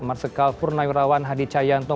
marsikal purna yudhawati hadi cayanto